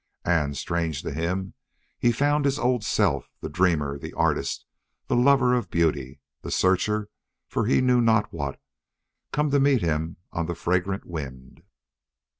And, strange to him, he found his old self, the dreamer, the artist, the lover of beauty, the searcher for he knew not what, come to meet him on the fragrant wind.